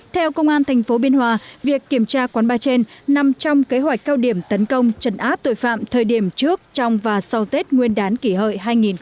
theo công an tp biên hòa việc kiểm tra quán bar trên nằm trong kế hoạch cao điểm tấn công trấn áp tội phạm thời điểm trước trong và sau tết nguyên đán kỷ hợi hai nghìn một mươi chín